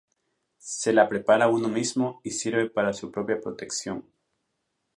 Se la prepara uno mismo y sirve para su propia protección.